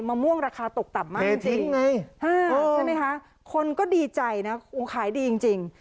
มะม่วงราคาตกต่ำมากจริงใช่ไหมคะคนก็ดีใจนะขายดีจริง